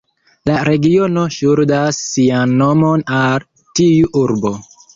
La regiono ŝuldas sian nomon al tiu urbo.